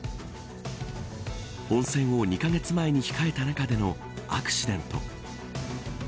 本選を２カ月前に控えた中でのアクシデント。